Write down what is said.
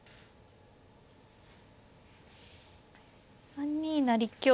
３二成香も。